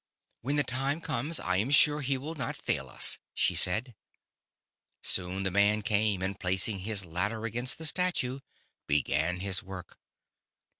"When the time comes, I am sure he will not fail us," she said. Soon the man came, and placing his ladder against the Statue, began his work.